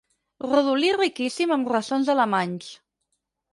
Rodolí riquíssim amb ressons alemanys.